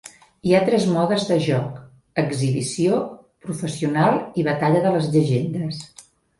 Hi ha tres modes de joc: exhibició, professional i batalla de les llegendes.